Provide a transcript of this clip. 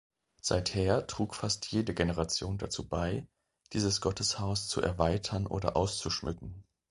Seither trug fast jede Generation dazu bei, dieses Gotteshaus zu erweitern oder auszuschmücken.